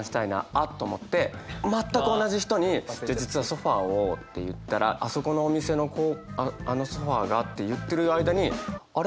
あっ！と思って全く同じ人に「実はソファーを」って言ったら「あそこのお店のあのソファーが」って言ってる間にあれ？